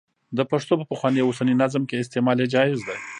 د پښتو په پخواني او اوسني نظم کې استعمال یې جائز دی.